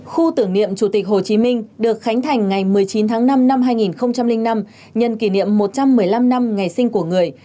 khu tưởng niệm chủ tịch hồ chí minh được khánh thành ngày một mươi chín tháng năm năm hai nghìn năm nhân kỷ niệm một trăm một mươi năm năm ngày sinh của người